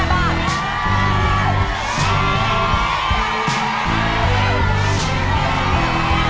ไข่พวกนี้เขาเสร็จแล้ว